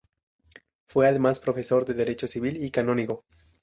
Fue además profesor de derecho civil y canónigo.